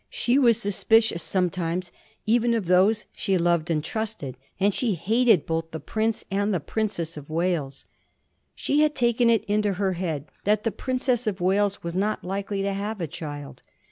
She was suspicious sometimes even of those she loved and trusted; and she hated both the Prince and the Princess of Wales. She had taken it into her head that the Princess of Wales was not likely to have a child.